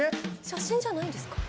写真じゃないんですか？